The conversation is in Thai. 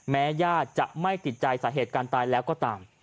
ญาติจะไม่ติดใจสาเหตุการตายแล้วก็ตาม